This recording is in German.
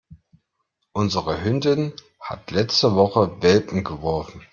Unsere Hündin hat letzte Woche Welpen geworfen.